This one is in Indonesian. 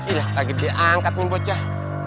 ih lagi diangkat pun bocah